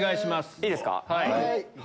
いいですか。